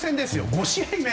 ５試合目。